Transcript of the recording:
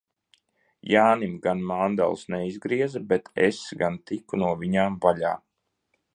Jānim gan mandeles neizgrieza, bet es gan tiku no viņām vaļā.